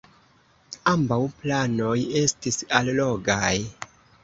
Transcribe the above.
Ambaŭ planoj estis allogaj.